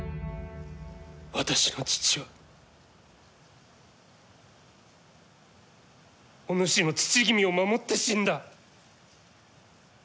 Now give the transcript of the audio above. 私の父はお主の父君を守って死んだ。